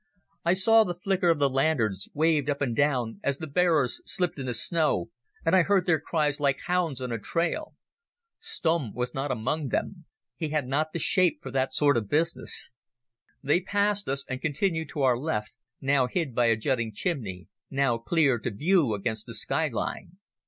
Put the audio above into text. I saw the flicker of the lanterns, waved up and down as the bearers slipped in the snow, and I heard their cries like hounds on a trail. Stumm was not among them: he had not the shape for that sort of business. They passed us and continued to our left, now hid by a jutting chimney, now clear to view against the sky line.